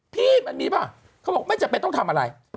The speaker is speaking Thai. พี่มันมีป่ะเขาบอกไม่จำเป็นต้องทำอะไร